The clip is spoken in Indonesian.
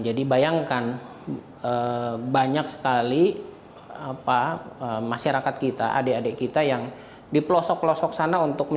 jadi bayangkan banyak sekali masyarakat kita adik adik kita yang di pelosok pelosok sana